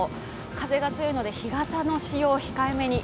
風が強いので日傘の使用を控えめに。